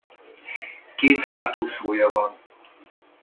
Két hátúszója van.